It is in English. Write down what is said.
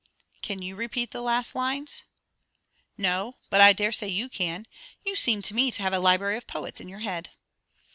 "Can you repeat the last lines?" "No; but I dare say you can. You seem to me to have a library of poets in your head."